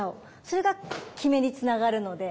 それが極めにつながるので。